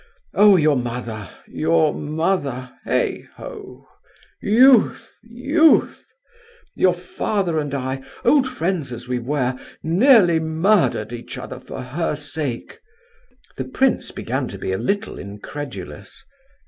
Oh—your mother, your mother! heigh ho! Youth—youth! Your father and I—old friends as we were—nearly murdered each other for her sake." The prince began to be a little incredulous.